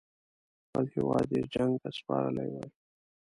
خپل هیواد یې جنګ ته سپارلی وای.